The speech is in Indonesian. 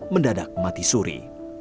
mendadak mati suri